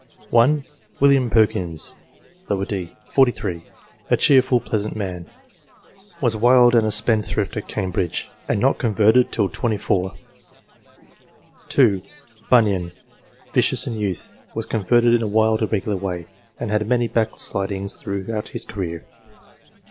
1. William Perkyns, d. set. 43; a "cheerful, pleasant man ;" was wild and a spendthrift at Cambridge, and not converted till set. 24. 2. Bunyan ; vicious in youth, was converted in a wild, irregular way, and had many blackslidings throughout his career.